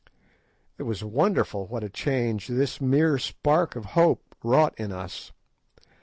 It was wonderful what a change this mere spark of hope wrought in us.